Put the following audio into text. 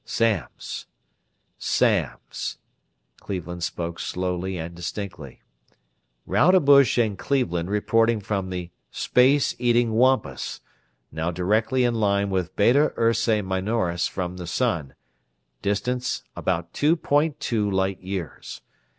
"Samms ... Samms." Cleveland spoke slowly and distinctly. "Rodebush and Cleveland reporting from the 'Space Eating Wampus', now directly in line with Beta Ursae Minoris from the sun, distance about two point two light years.